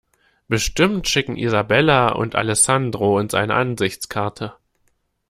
Bestimmt schicken Isabella und Alessandro uns eine Ansichtskarte.